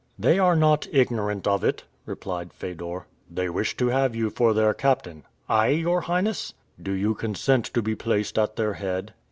"They are not ignorant of it," replied Fedor. "They wish to have you for their captain." "I, your Highness?" "Do you consent to be placed at their head?"